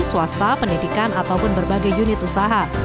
swasta pendidikan ataupun berbagai unit usaha